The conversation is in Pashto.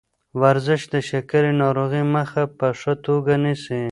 ورزش د شکرې ناروغۍ مخه په ښه توګه نیسي.